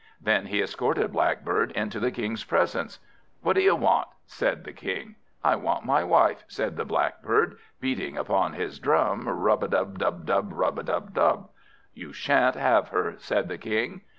Then he escorted Blackbird into the King's presence. "What do you want?" said the King. "I want my wife," said the Blackbird, beating upon his drum, rub a dub dub, rub a dub dub. "You shan't have her," said the King.